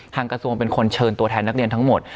กระทรวงเป็นคนเชิญตัวแทนนักเรียนทั้งหมด